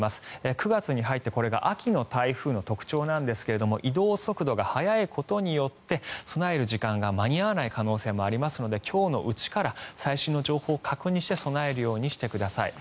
９月に入ってこれが秋の台風の特徴なんですが移動速度が速いことによって備える時間が間に合わない可能性もありますので今日のうちから最新の情報を確認して備えるようにしてください。